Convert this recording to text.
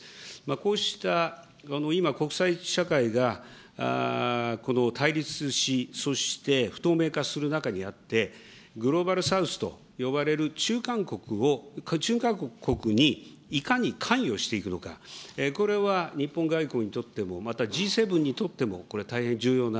こうした今、国際社会がこの対立し、そして不透明化する中にあって、グローバル・サウスと呼ばれる中間国にいかに関与していくのか、これは日本外交にとっても、またＧ７にとってもこれ、大変重要な